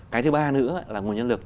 cái thứ ba nữa là nguồn nhân lực